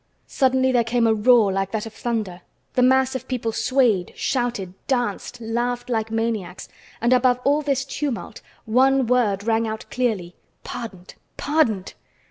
Suddenly there came a roar like that of thunder. The mass of people swayed, shouted, danced, laughed like maniacs, and above all this tumult one word rang out clearly: "Pardoned! Pardoned!"